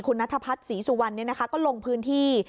คุณนัทพัดศรีสุวรรณเนี้ยนะคะก็ลงพื้นที่